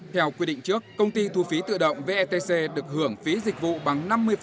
theo quy định trước công ty thu phí tự động vetc được hưởng phí dịch vụ bằng năm mươi